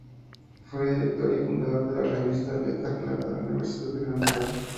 Fue director y fundador de la revista "Letra Clara" de la Universidad de Granada.